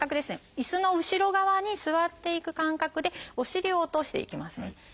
いすの後ろ側に座っていく感覚でお尻を落としていきますね。